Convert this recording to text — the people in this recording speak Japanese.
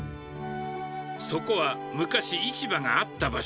そこは、昔、市場があった場所。